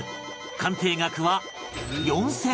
鑑定額は